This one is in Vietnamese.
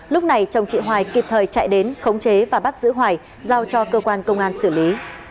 lúc này chồng chị hoài kịp thời chạy đến khống chế và bắt giữ hoài giao cho cơ quan công an xử lý